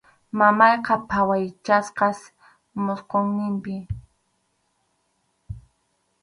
Mamayqa phawachkasqas musquyninpi.